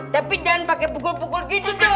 tapi jangan pakai pukul pukul gitu